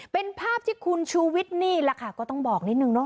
เป็นภาพที่คุณชูวิทย์นี่แหละค่ะก็ต้องบอกนิดนึงเนาะ